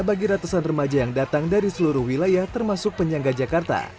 bagi ratusan remaja yang datang dari seluruh wilayah termasuk penyangga jakarta